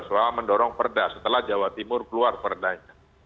soal mendorong perda setelah jawa timur keluar perdanya